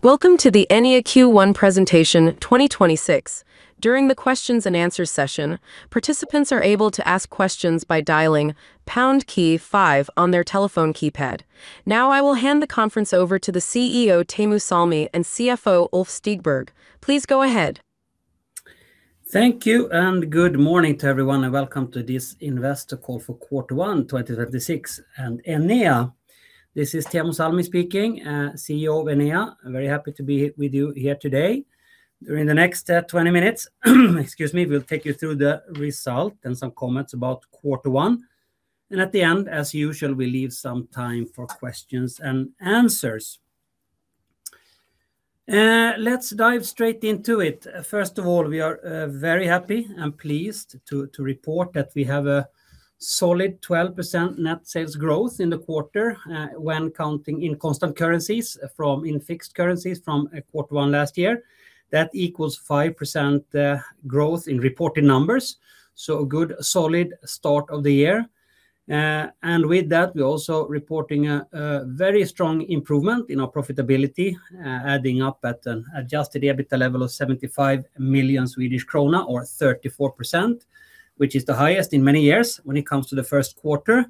Welcome to the Enea Q1 presentation 2026. During the questions and answers session, participants are able to ask questions by dialing pound key five on their telephone keypad. Now I will hand the conference over to the CEO, Teemu Salmi, and CFO, Ulf Stigberg. Please go ahead. Thank you, and good morning to everyone, and welcome to this investor call for quarter one 2026 and Enea. This is Teemu Salmi speaking, CEO of Enea. I'm very happy to be with you here today. During the next 20 minutes, excuse me, we'll take you through the result and some comments about quarter one, and at the end, as usual, we leave some time for questions and answers. Let's dive straight into it. First of all, we are very happy and pleased to report that we have a solid 12% net sales growth in the quarter when counting in constant currencies from quarter one last year. That equals 5% growth in reported numbers. A good solid start of the year. With that, we're also reporting a very strong improvement in our profitability, adding up at an adjusted EBITDA level of 75 million Swedish krona or 34%, which is the highest in many years when it comes to the first quarter.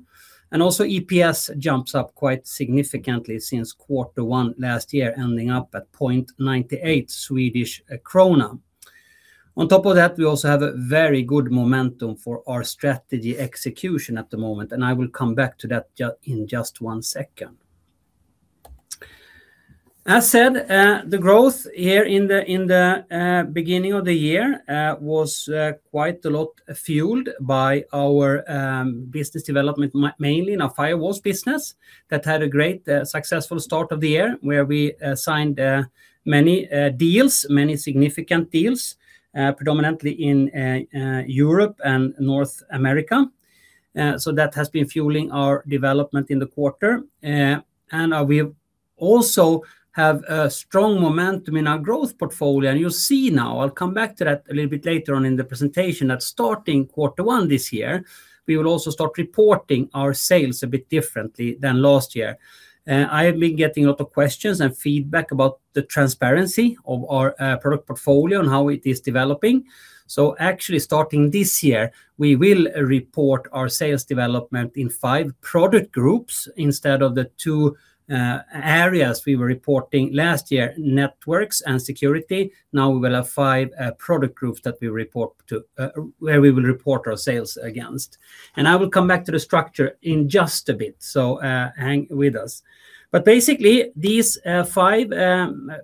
Also EPS jumps up quite significantly since quarter one last year, ending up at 0.98 Swedish krona. On top of that, we also have a very good momentum for our strategy execution at the moment, and I will come back to that in just one second. As said, the growth here in the beginning of the year was quite a lot fueled by our business development, mainly in our firewalls business that had a great successful start of the year, where we signed many deals, many significant deals, predominantly in Europe and North America. That has been fueling our development in the quarter. We also have a strong momentum in our growth portfolio. You'll see now, I'll come back to that a little bit later on in the presentation, that starting quarter one this year, we will also start reporting our sales a bit differently than last year. I have been getting a lot of questions and feedback about the transparency of our product portfolio and how it is developing. Actually starting this year, we will report our sales development in five product groups instead of the two areas we were reporting last year, networks and security. Now we will have five product groups where we will report our sales against, and I will come back to the structure in just a bit. Hang with us. Basically, these five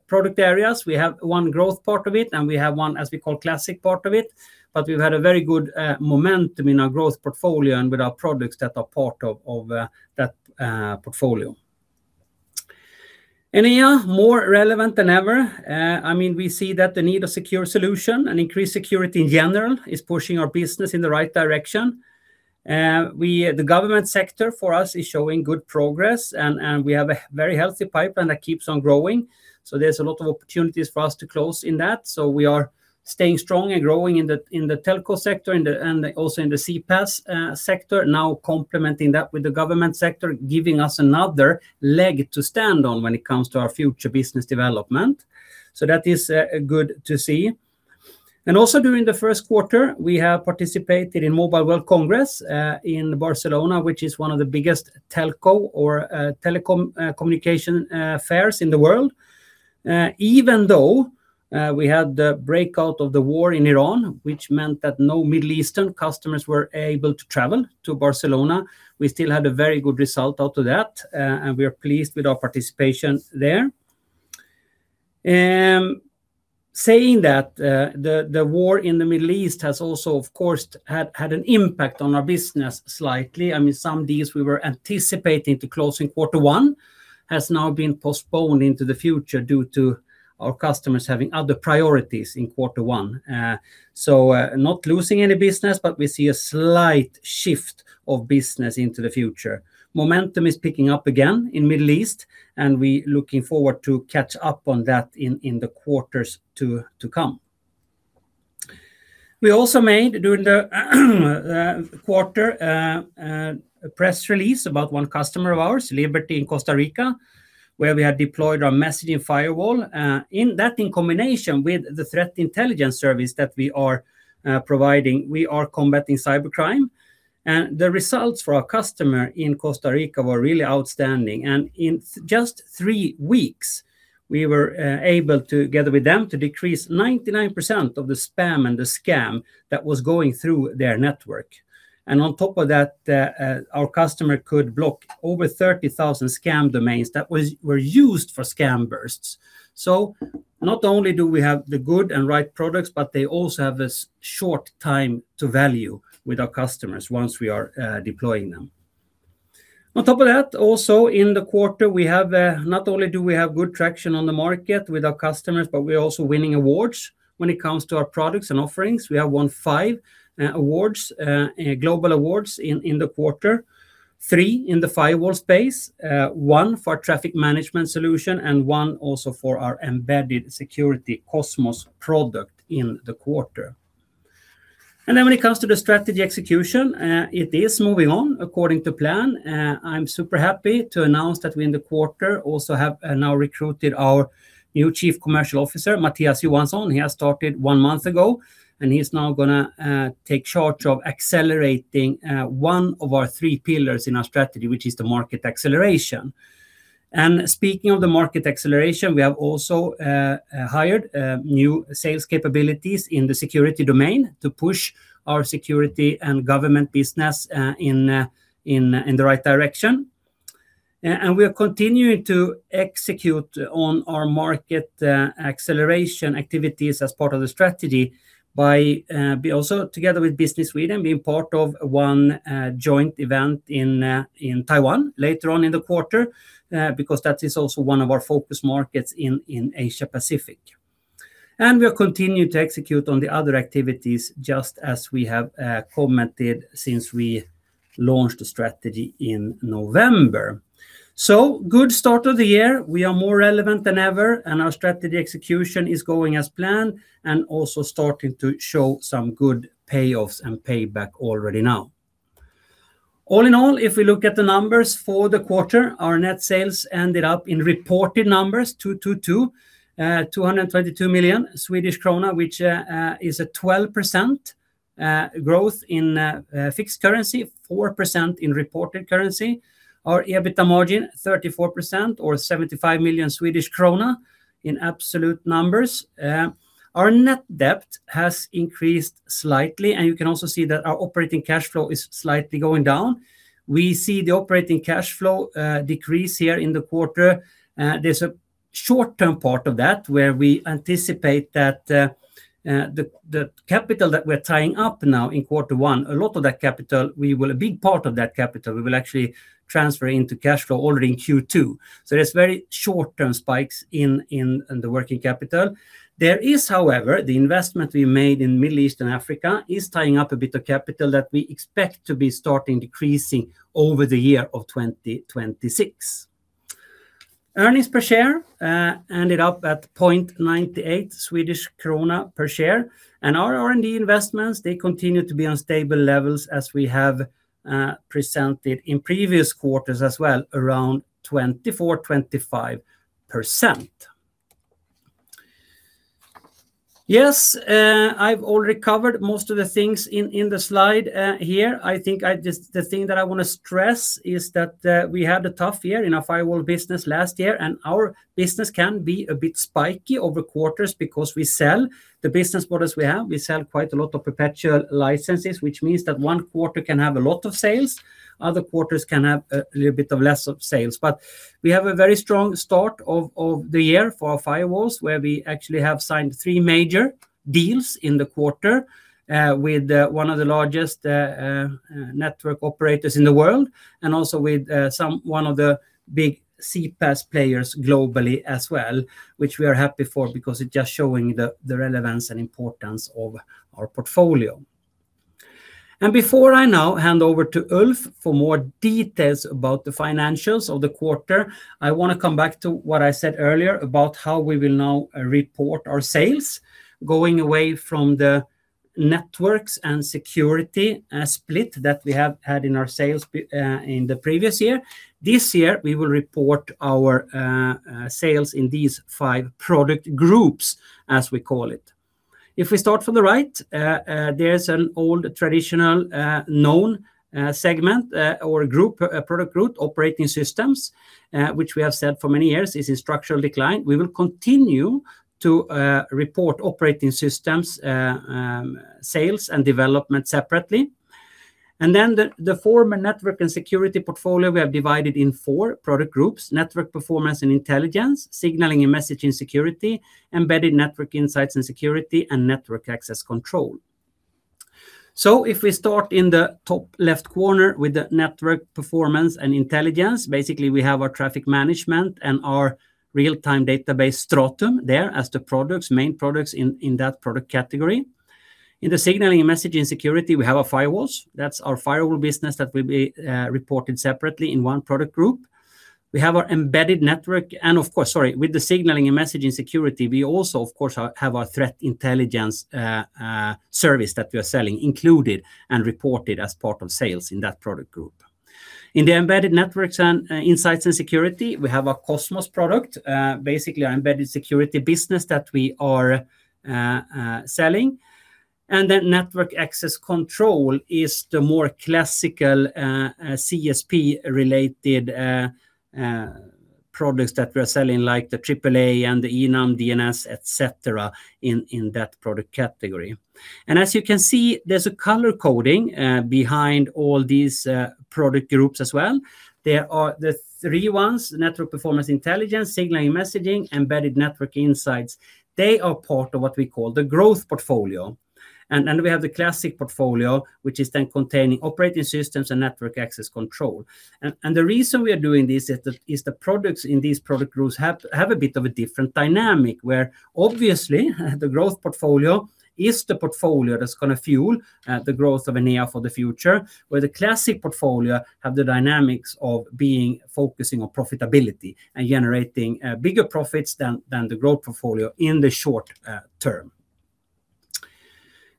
product areas, we have one growth part of it and we have one as we call classic part of it, but we've had a very good momentum in our growth portfolio and with our products that are part of that portfolio. Enea, more relevant than ever. We see that the need of secure solution and increased security in general is pushing our business in the right direction. The government sector for us is showing good progress and we have a very healthy pipeline that keeps on growing. There's a lot of opportunities for us to close in that. We are staying strong and growing in the telco sector and also in the CPaaS sector. Now complementing that with the government sector, giving us another leg to stand on when it comes to our future business development. That is good to see. Also during the first quarter, we have participated in Mobile World Congress, in Barcelona, which is one of the biggest telco or telecom communication fairs in the world. Even though we had the breakout of the war in Iran, which meant that no Middle Eastern customers were able to travel to Barcelona, we still had a very good result out of that, and we are pleased with our participation there. Saying that, the war in the Middle East has also, of course, had an impact on our business slightly. Some deals we were anticipating to close in quarter one has now been postponed into the future due to our customers having other priorities in quarter one. Not losing any business, but we see a slight shift of business into the future. Momentum is picking up again in Middle East and we're looking forward to catch up on that in the quarters to come. We also made, during the quarter, a press release about one customer of ours, Liberty in Costa Rica, where we had deployed our messaging firewall. In that, in combination with the threat intelligence service that we are providing, we are combating cybercrime. The results for our customer in Costa Rica were really outstanding. In just three weeks, we were able to, together with them, to decrease 99% of the spam and the scam that was going through their network. On top of that, our customer could block over 30,000 scam domains that were used for scam bursts. Not only do we have the good and right products, but they also have a short time to value with our customers once we are deploying them. On top of that, also in the quarter, not only do we have good traction on the market with our customers, but we're also winning awards when it comes to our products and offerings. We have won five global awards in the quarter, three in the firewall space, one for Traffic Management solution, and one also for our embedded security Qosmos product in the quarter. Then when it comes to the strategy execution, it is moving on according to plan. I'm super happy to announce that we in the quarter also have now recruited our new Chief Commercial Officer, Mattias Johansson. He has started one month ago, and he's now going to take charge of accelerating one of our three pillars in our strategy, which is the market acceleration. Speaking of the market acceleration, we have also hired new sales capabilities in the security domain to push our security and government business in the right direction. We are continuing to execute on our market acceleration activities as part of the strategy by also together with Business Sweden, being part of one joint event in Taiwan later on in the quarter because that is also one of our focus markets in Asia Pacific. We are continuing to execute on the other activities just as we have commented since we launched the strategy in November. Good start of the year. We are more relevant than ever and our strategy execution is going as planned and also starting to show some good payoffs and payback already now. All in all, if we look at the numbers for the quarter, our net sales ended up in reported numbers 222 million Swedish krona, which is a 12% growth in fixed currency, 4% in reported currency. Our EBITDA margin 34% or 75 million Swedish krona in absolute numbers. Our net debt has increased slightly and you can also see that our operating cash flow is slightly going down. We see the operating cash flow decrease here in the quarter. There's a short-term part of that where we anticipate that the capital that we're tying up now in quarter one, a big part of that capital we will actually transfer into cash flow already in Q2. There's very short-term spikes in the working capital. There is, however, the investment we made in Middle East and Africa is tying up a bit of capital that we expect to be starting decreasing over the year of 2026. Earnings per share ended up at 0.98 Swedish krona per share. Our R&D investments, they continue to be on stable levels as we have presented in previous quarters as well, around 24%-25%. Yes, I've already covered most of the things in the slide here. I think the thing that I want to stress is that we had a tough year in our firewall business last year, and our business can be a bit spiky over quarters because we sell the business models we have, we sell quite a lot of perpetual licenses, which means that one quarter can have a lot of sales, other quarters can have a little bit of less of sales. We have a very strong start of the year for our firewalls, where we actually have signed three major deals in the quarter with one of the largest network operators in the world and also with one of the big CPaaS players globally as well, which we are happy for because it's just showing the relevance and importance of our portfolio. Before I now hand over to Ulf for more details about the financials of the quarter, I want to come back to what I said earlier about how we will now report our sales going away from the networks and security split that we have had in our sales in the previous year. This year we will report our sales in these five product groups as we call it. If we start from the right, there's an old traditional known segment or product group, Operating Systems which we have said for many years is in structural decline. We will continue to report Operating Systems sales and development separately. The former network and security portfolio we have divided in four product groups: Network Performance and Intelligence, Signaling and Messaging Security, Embedded Network Insights and Security, and Network Access Control. If we start in the top left corner with the Network Performance and Intelligence, basically we have our Traffic Management and our real-time database Stratum there as the main products in that product category. In the Signaling and Messaging Security we have our firewalls. That's our firewall business that will be reported separately in one product group. We have our embedded network and of course, sorry, with the Signaling and Messaging Security we also of course have our Threat Intelligence service that we are selling included and reported as part of sales in that product group. In the embedded networks and insights and security we have our Qosmos product basically our embedded security business that we are selling. Network access control is the more classical CSP-related products that we are selling like the AAA and the ENUM, DNS, et cetera, in that product category. As you can see there's a color coding behind all these product groups as well. There are the three ones, Network Performance Intelligence, Signaling Messaging, Embedded Network Insights. They are part of what we call the growth portfolio. We have the classic portfolio which is then containing Operating Systems and Network Access Control. The reason we are doing this is the products in these product groups have a bit of a different dynamic where obviously the growth portfolio is the portfolio that's going to fuel the growth of Enea for the future, where the classic portfolio have the dynamics of focusing on profitability and generating bigger profits than the growth portfolio in the short term.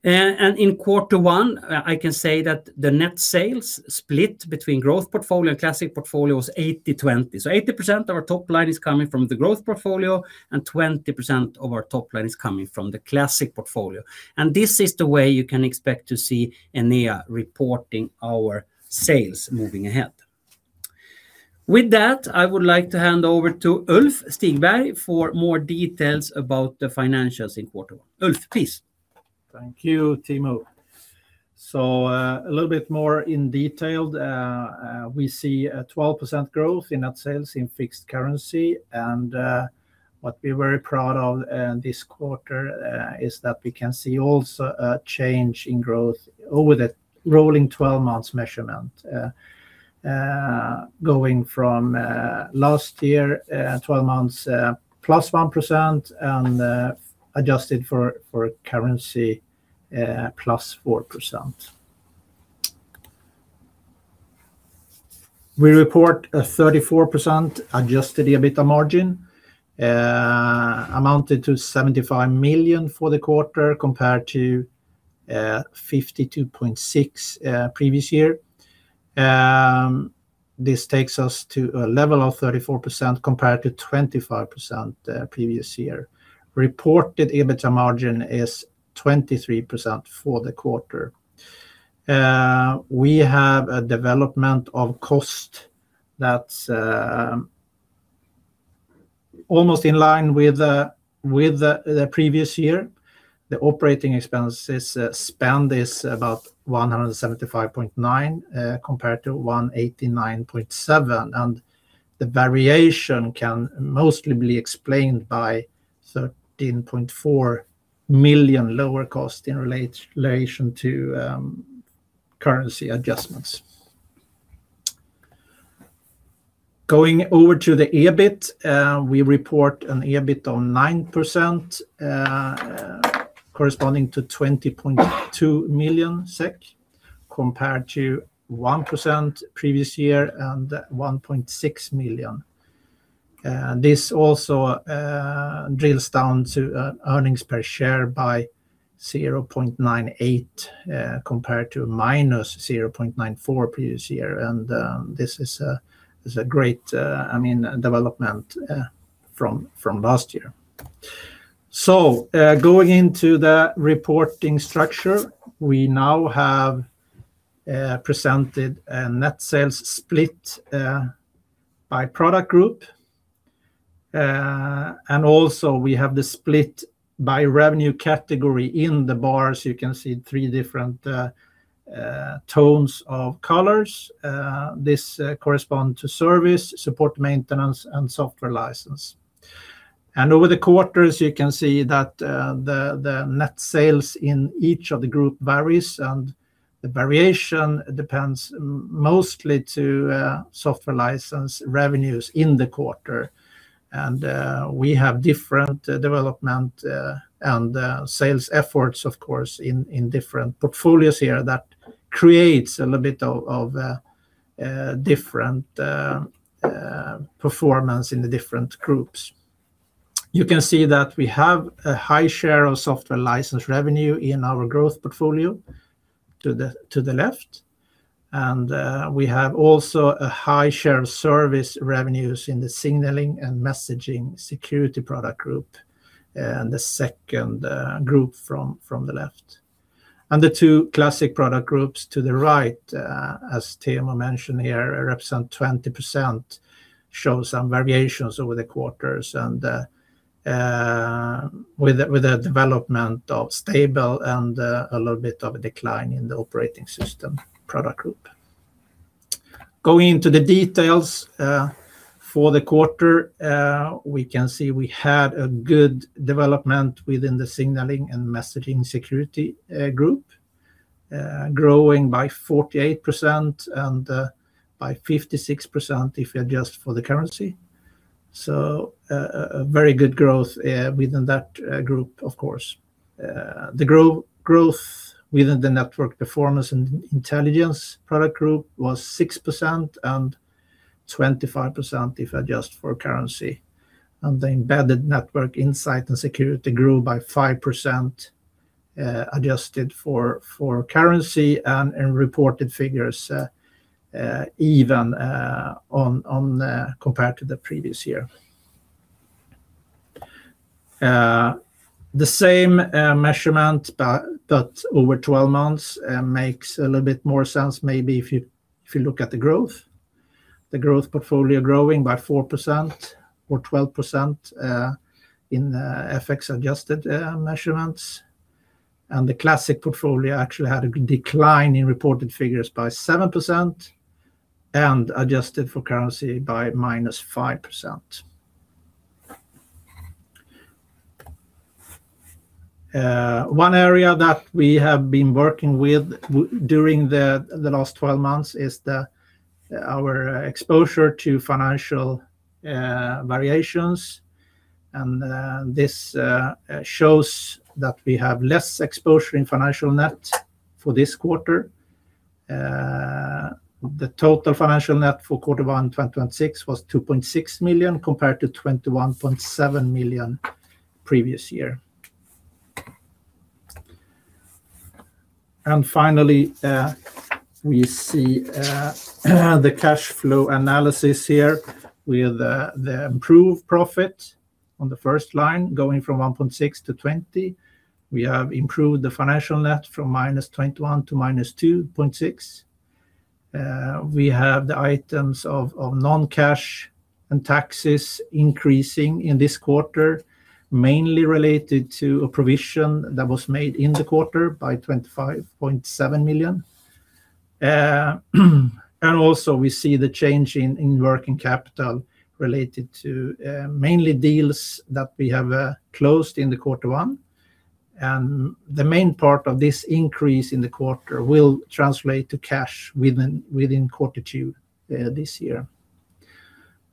In quarter one, I can say that the net sales split between growth portfolio and classic portfolio is 80/20. 80% of our top line is coming from the growth portfolio and 20% of our top line is coming from the classic portfolio. This is the way you can expect to see Enea reporting our sales moving ahead. With that, I would like to hand over to Ulf Stigberg for more details about the financials in quarter one. Ulf, please. Thank you, Teemu. A little bit more in detail. We see a 12% growth in net sales in fixed currency. What we're very proud of in this quarter is that we can see also a change in growth over the rolling 12 months measurement, going from last year, 12 months +1% and adjusted for currency +4%. We report a 34% adjusted EBITDA margin, amounted to 75 million for the quarter compared to 52.6 million previous year. This takes us to a level of 34% compared to 25% previous year. Reported EBITDA margin is 23% for the quarter. We have a development of cost that's almost in line with the previous year. The operating expenses spend is about 175.9 million compared to 189.7 million, and the variation can mostly be explained by 13.4 million lower cost in relation to currency adjustments. Going over to the EBIT. We report an EBIT of 9%, corresponding to 20.2 million SEK, compared to 1% previous year and 1.6 million. This also drills down to earnings per share of 0.98 compared to -0.94 previous year. This is a great development from last year. Going into the reporting structure, we now have presented a net sales split by product group. Also we have the split by revenue category in the bars, you can see three different tones of colors. This corresponds to service, support maintenance, and software license. Over the quarters, you can see that the net sales in each of the groups vary, and the variation depends mostly on software license revenues in the quarter. We have different development and sales efforts, of course, in different portfolios here that create a little bit of different performance in the different groups. You can see that we have a high share of software license revenue in our growth portfolio to the left. We have also a high share of service revenues in the Signaling and Messaging Security product group, the second group from the left. The two classic product groups to the right, as Teemu mentioned here, represent 20%, show some variations over the quarters and with the development of stable and a little bit of a decline in the Operating Systems product group. Going into the details for the quarter, we can see we had a good development within the Signaling and Messaging Security group, growing by 48% and by 56% if adjusted for the currency. A very good growth within that group, of course. The growth within the Network Performance and Intelligence product group was 6% and 25% if adjusted for currency. The Embedded Network Insights & Security grew by 5% adjusted for currency and in reported figures even compared to the previous year. The same measurement but over 12 months makes a little bit more sense maybe if you look at the growth. The growth portfolio growing by 4% or 12% in FX-adjusted measurements. The classic portfolio actually had a decline in reported figures by 7% and adjusted for currency by -5%. One area that we have been working with during the last 12 months is our exposure to financial variations. This shows that we have less exposure in financial net for this quarter. The total financial net for quarter one 2026 was 2.6 million, compared to 21.7 million previous year. Finally, we see the cash flow analysis here with the improved profit on the first line going from 1.6 million to 20 million. We have improved the financial net from -21 to -2.6. We have the items of non-cash and taxes increasing in this quarter, mainly related to a provision that was made in the quarter by 25.7 million. Also we see the change in working capital related to mainly deals that we have closed in the quarter one. The main part of this increase in the quarter will translate to cash within quarter two this year.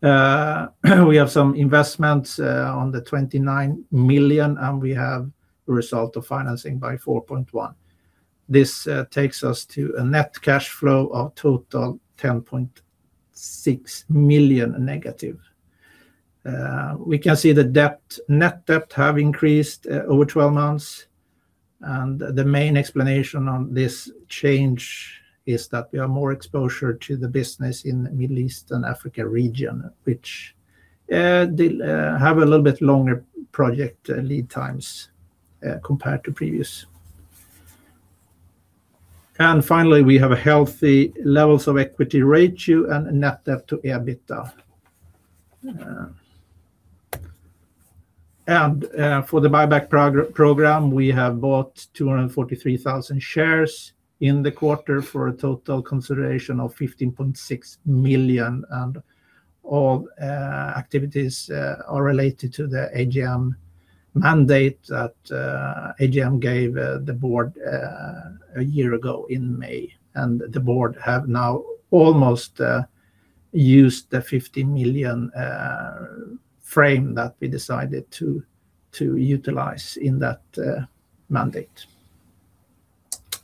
We have some investments on the 29 million, and we have a result of financing by 4.1 million. This takes us to a net cash flow of total -10.6 million. We can see the net debt have increased over 12 months. The main explanation on this change is that we have more exposure to the business in Middle East and Africa region, which have a little bit longer project lead times compared to previous. Finally, we have a healthy levels of equity ratio and net debt to EBITDA. For the buyback program, we have bought 243,000 shares in the quarter for a total consideration of 15.6 million, and all activities are related to the AGM mandate that AGM gave the board a year ago in May. The board have now almost used the 15 million frame that we decided to utilize in that mandate.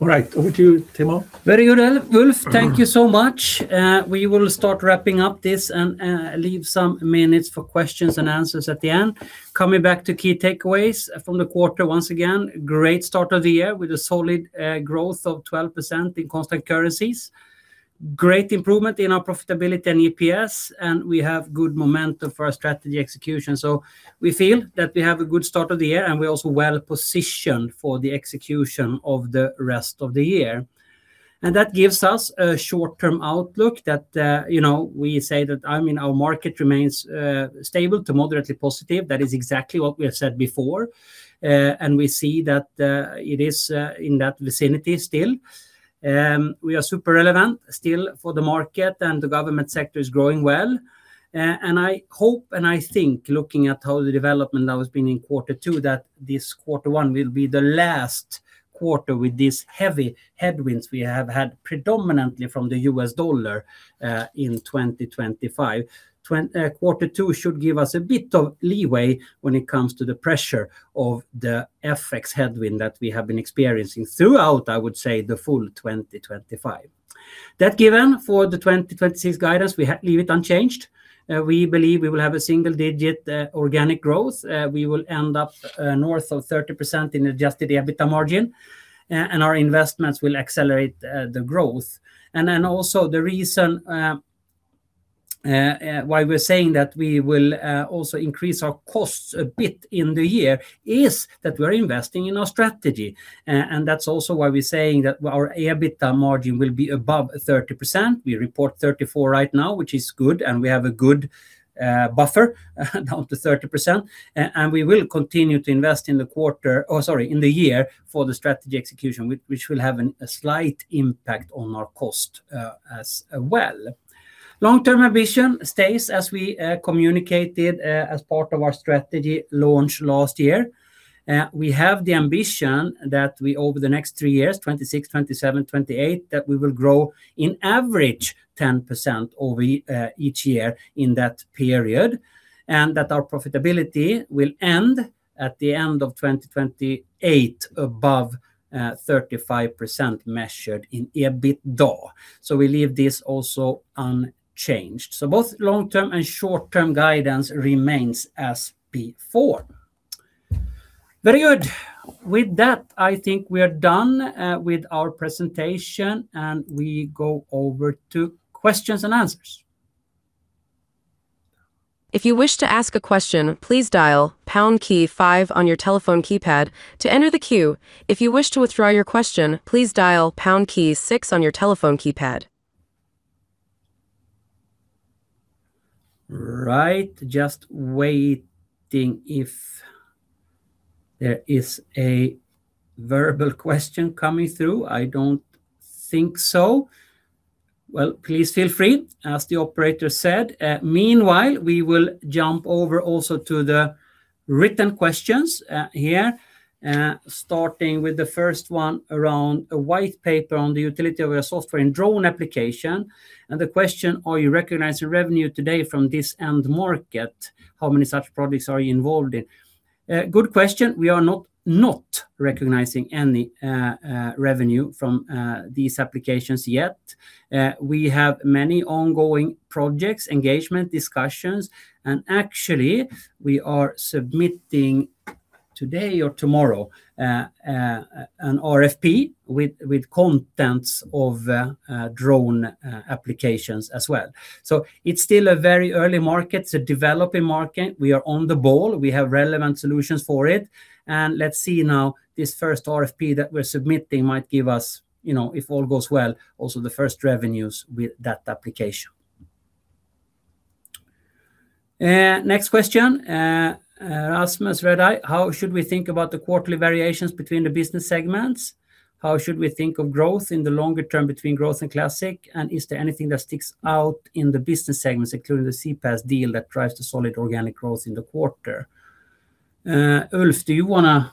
All right, over to you, Teemu. Very good, Ulf. Thank you so much. We will start wrapping up this and leave some minutes for questions and answers at the end. Coming back to key takeaways from the quarter, once again, great start of the year with a solid growth of 12% in constant currencies. Great improvement in our profitability and EPS, and we have good momentum for our strategy execution. We feel that we have a good start of the year, and we're also well-positioned for the execution of the rest of the year. That gives us a short-term outlook that we say that our market remains stable to moderately positive. That is exactly what we have said before, and we see that it is in that vicinity still. We are super relevant still for the market, and the government sector is growing well. I hope and I think, looking at how the development has been in quarter two, that this quarter one will be the last quarter with these heavy headwinds we have had predominantly from the U.S. dollar in 2025. Quarter two should give us a bit of leeway when it comes to the pressure of the FX headwind that we have been experiencing throughout, I would say, the full 2025. That given, for the 2026 guidance, we leave it unchanged. We believe we will have a single-digit organic growth. We will end up north of 30% in adjusted EBITDA margin, and our investments will accelerate the growth. Then also the reason why we're saying that we will also increase our costs a bit in the year is that we're investing in our strategy. That's also why we're saying that our EBITDA margin will be above 30%. We report 34 right now, which is good, and we have a good buffer down to 30%. We will continue to invest in the year for the strategy execution, which will have a slight impact on our cost as well. Long-term ambition stays as we communicated as part of our strategy launch last year. We have the ambition that we, over the next three years, 2026, 2027, 2028, that we will grow on average 10% over each year in that period. That our profitability will end at the end of 2028 above 35% measured in EBITDA. We leave this also unchanged. Both long-term and short-term guidance remains as before. Very good. With that, I think we are done with our presentation, and we go over to questions and answers. If you wish to ask a question, please dial pound key five on your telephone keypad to enter the queue. If you wish to withdraw your question, please dial pound key six on your telephone keypad. Right. Just waiting if there is a verbal question coming through. I don't think so. Well, please feel free, as the operator said. Meanwhile, we will jump over also to the written questions here, starting with the first one around a white paper on the utility of a software-in-drone application. The question, are you recognizing revenue today from this end market? How many such projects are you involved in? Good question. We are not recognizing any revenue from these applications yet. We have many ongoing projects, engagement discussions, and actually we are submitting today or tomorrow an RFP with contents of drone applications as well. So it's still a very early market. It's a developing market. We are on the ball. We have relevant solutions for it. Let's see now, this first RFP that we're submitting might give us, if all goes well, also the first revenues with that application. Next question. Rasmus Redeye, "How should we think about the quarterly variations between the business segments? How should we think of growth in the longer term between growth and classic? And is there anything that sticks out in the business segments, including the CPaaS deal, that drives the solid organic growth in the quarter?" Ulf, do you want to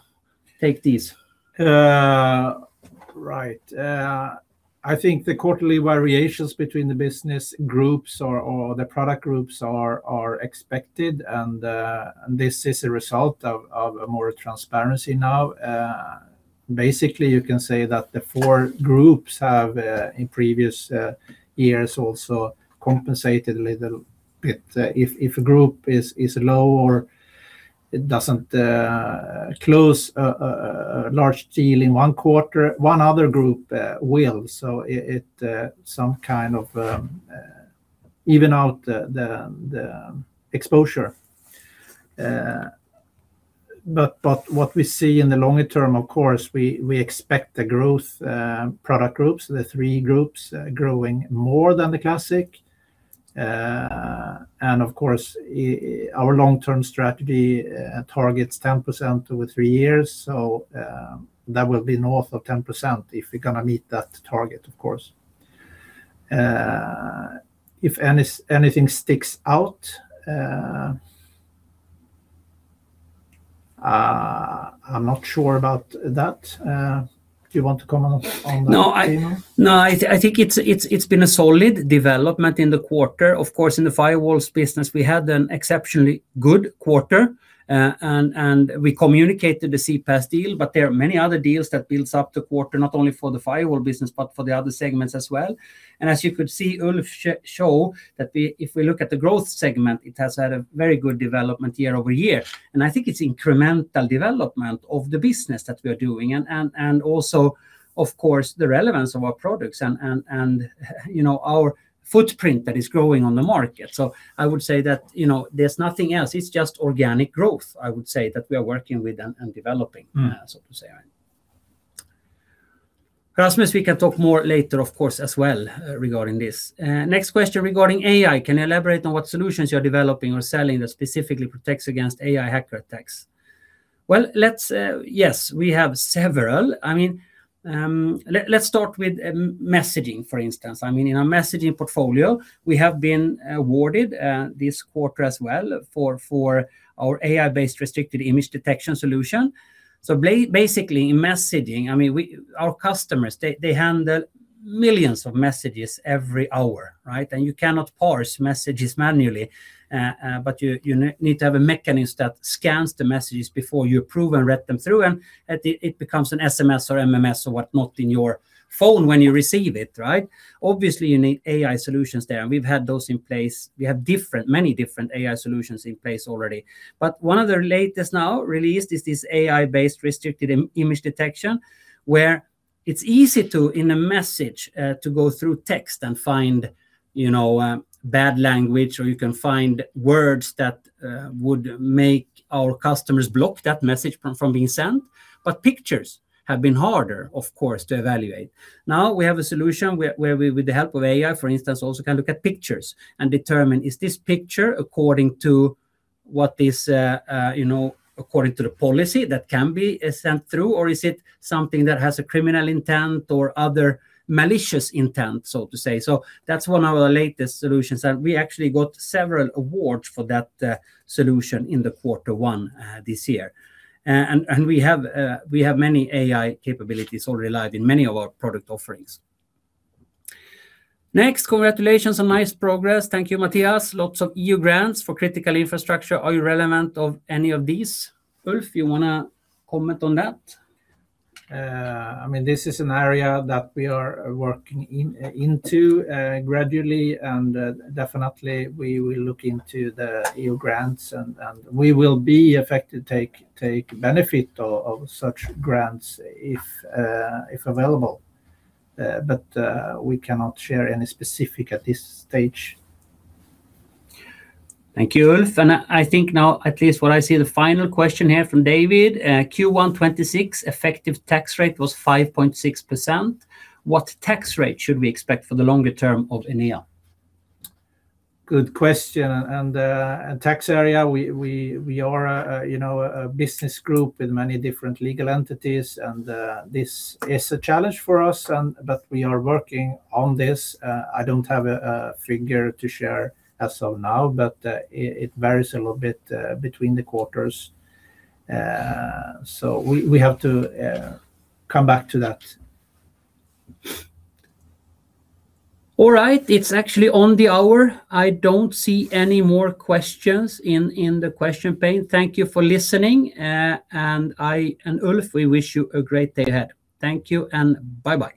take this? Right. I think the quarterly variations between the business groups or the product groups are expected and this is a result of more transparency now. Basically, you can say that the four groups have in previous years also compensated a little bit. If a group is low or it doesn't close a large deal in one quarter, one other group will. It's some kind of even out the exposure. What we see in the longer term, of course, we expect the growth product groups, the three groups growing more than the classic. Of course, our long-term strategy targets 10% over three years. That will be north of 10% if we're going to meet that target, of course. If anything sticks out, I'm not sure about that. Do you want to comment on that, Teemu? No. I think it's been a solid development in the quarter. Of course, in the firewalls business, we had an exceptionally good quarter. We communicated the CPaaS deal, but there are many other deals that builds up the quarter, not only for the firewall business, but for the other segments as well. As you could see Ulf showed, that if we look at the growth segment, it has had a very good development year-over-year. I think it's incremental development of the business that we are doing and also, of course, the relevance of our products and our footprint that is growing on the market. I would say that there's nothing else. It's just organic growth, I would say, that we are working with and developing, so to say. Rasmus, we can talk more later, of course, as well regarding this. Next question regarding AI. Can you elaborate on what solutions you are developing or selling that specifically protects against AI hacker attacks?" Well, yes. We have several. Let's start with messaging, for instance. In our messaging portfolio, we have been awarded this quarter as well for our AI-based Restricted Image Detection solution. Basically, in messaging, our customers, they handle millions of messages every hour. You cannot parse messages manually, but you need to have a mechanism that scans the messages before you approve and read them through, and it becomes an SMS or MMS or whatnot in your phone when you receive it. Obviously, you need AI solutions there, and we've had those in place. We have many different AI solutions in place already. One of the latest now released is this AI-based Restricted Image Detection, where it's easy to, in a message, to go through text and find bad language, or you can find words that would make our customers block that message from being sent. Pictures have been harder, of course, to evaluate. Now we have a solution where with the help of AI, for instance, also can look at pictures and determine, is this picture according to the policy that can be sent through, or is it something that has a criminal intent or other malicious intent, so to say? That's one of our latest solutions, and we actually got several awards for that solution in the quarter one this year. We have many AI capabilities already live in many of our product offerings. Next, "Congratulations on nice progress." Thank you, Matthias. Lots of EU grants for critical infrastructure. Are you aware of any of these?" Ulf, you want to comment on that? This is an area that we are working into gradually, and definitely we will look into the EU grants and we will effectively take benefit of such grants if available. We cannot share any specifics at this stage. Thank you, Ulf. I think now, at least what I see the final question here from David, "Q1 2026 effective tax rate was 5.6%. What tax rate should we expect for the longer term of Enea? Good question. Tax area, we are a business group with many different legal entities, and this is a challenge for us, but we are working on this. I don't have a figure to share as of now, but it varies a little bit between the quarters. We have to come back to that. All right. It's actually on the hour. I don't see any more questions in the question pane. Thank you for listening. I and Ulf, we wish you a great day ahead. Thank you, and bye-bye.